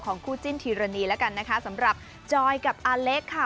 ของคู่จินทิรนนีล์สำหรับจอยกับอาเลกค่ะ